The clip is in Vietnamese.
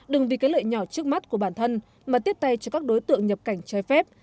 đừng vì cái lợi nhỏ trước mắt của bản thân mà tiếp tay cho các đối tượng nhập cảnh trái phép